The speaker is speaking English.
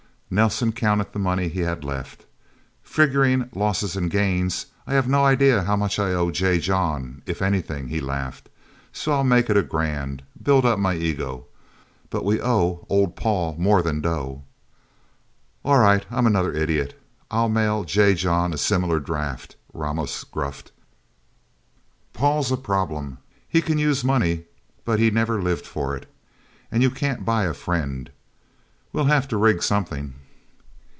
Nelsen counted the money he had left. "Figuring losses and gains, I have no idea how much I owe J. John if anything," he laughed. "So I'll make it a grand build up my ego... But we owe old Paul more than dough." "All right, I'm another idiot I'll mail J. John a similar draft," Ramos gruffed. "Paul's a problem. He can use money, but he never lived for it. And you can't buy a friend. We'll have to rig something."